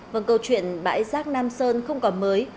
vâng câu chuyện bãi rác nam sơn không còn mới